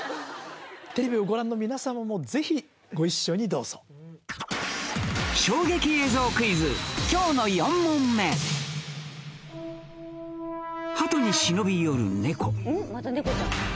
テレビをご覧の皆様もぜひご一緒にどうぞ今日の４問目ハトに忍び寄る猫